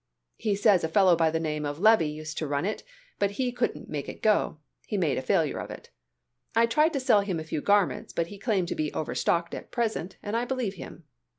He says a fellow by the name of Levy used to run it but he couldnt make it go; he made a failure of it. I tried to sell him a few garments but he claims to be overstocked at present and I believe him.